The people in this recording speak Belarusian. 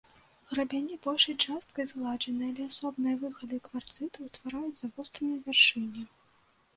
Грабяні большай часткай згладжаныя, але асобныя выхады кварцытаў утвараюць завостраныя вяршыні.